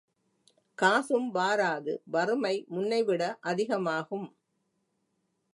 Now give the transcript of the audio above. காசும் வாராது வறுமை முன்னைவிட அதிகமாகும்.